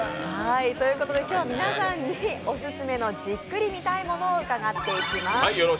今日は皆さんにオススメのじっくり見たいものを伺っていきます。